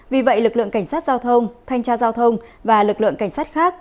vì vậy lực lượng cảnh sát giao thông thanh tra giao thông và lực lượng cảnh sát khác